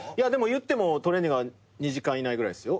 いってもトレーニングは２時間以内ぐらいっすよ。